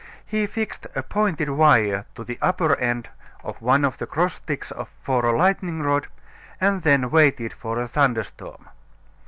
He fixed a pointed wire to the upper end of one of the cross sticks for a lightning rod, and then waited for a thunder storm.